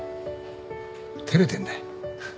照れてんだ。